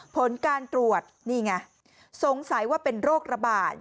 ผลการตรวจนี่ไงสงสัยว่าเป็นโรคระบาด